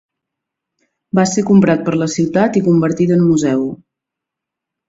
Va ser comprat per la ciutat i convertit en museu.